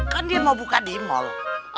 kan dia mau buka di mal